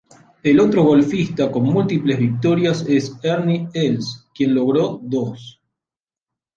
El otro golfista con múltiples victorias es Ernie Els, quien logró dos.